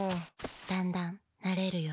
だんだんなれるよ。